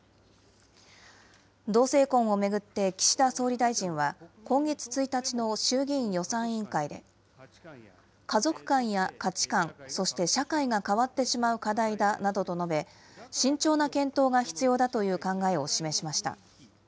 同性婚を巡って、岸田総理大臣は、今月１日の衆議院予算委員会で、家族観や価値観、そして社会が変わってしまう課題だなどと述べ、慎重な検討が必要だという考えを示しました。